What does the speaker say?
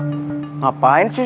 kalau ada yang paling penting